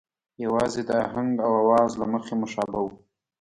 یوازې د آهنګ او آواز له مخې مشابه وو.